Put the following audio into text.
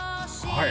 はい？